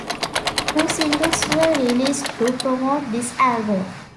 Two singles were released to promote this album.